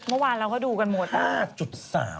เมื่อวานเราก็ดูกันหมด